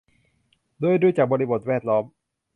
โดยดูจากบริบทแวดล้อม